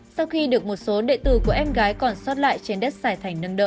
sau khi được một số đệ tử của em gái còn sót lại trên đất xài thành nâng đỡ